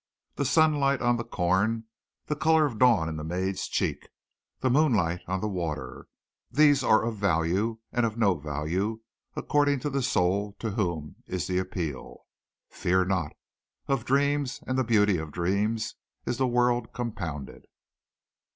The sunlight on the corn, the color of dawn in the maid's cheek, the moonlight on the water these are of value and of no value according to the soul to whom is the appeal. Fear not. Of dreams and the beauty of dreams is the world compounded."